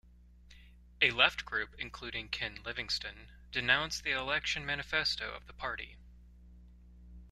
A left group, including Ken Livingstone, denounced the election manifesto of the party.